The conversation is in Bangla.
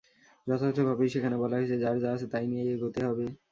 যথার্থভাবেই সেখানে বলা হয়েছে, যার যা আছে তাই নিয়েই এগোতে হবে।